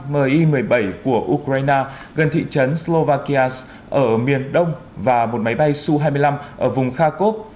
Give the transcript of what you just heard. mi một mươi bảy của ukraine gần thị trấn slovakias ở miền đông và một máy bay su hai mươi năm ở vùng kharkov